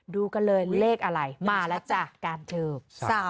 ดูกันเลยเลขอะไรมาแล้วจ้ะการเทิบ